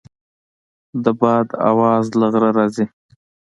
د باد اواز له غره راځي.